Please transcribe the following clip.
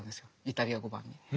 イタリア語版の。